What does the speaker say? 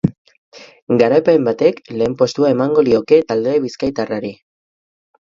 Garaipen batek lehen postua emango lioke talde bizkaitarrari.